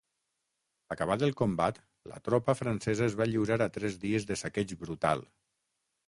Acabat el combat, la tropa francesa es va lliurar a tres dies de saqueig brutal.